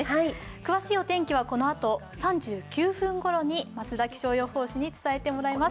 詳しいお天気はこのあと３９分ごろに増田気象予報士にお伝えしていただきます。